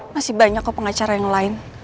masih banyak kok pengacara yang lain